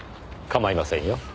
かまいませんよ。